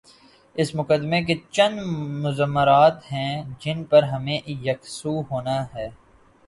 اس مقدمے کے چند مضمرات ہیں جن پر ہمیں یک سو ہونا ہے۔